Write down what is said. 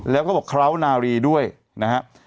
แล้วก็บอกคราวนารีด้วยนะฮะ